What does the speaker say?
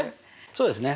そうですね。